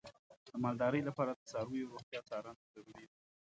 د مالدارۍ لپاره د څارویو روغتیا څارنه ضروري ده.